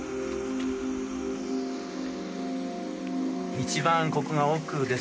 一番ここが奥です。